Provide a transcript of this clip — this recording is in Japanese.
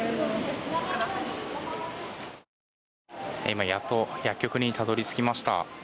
今、やっと薬局にたどり着きました。